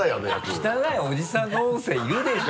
汚いおじさんの音声いるでしょ。